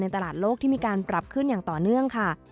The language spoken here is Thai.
ตลาดโลกที่มีการปรับขึ้นอย่างต่อเนื่องค่ะ